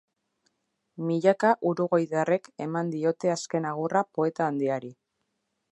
Milaka uruguaitarrek eman diote azken agurra poeta handiari.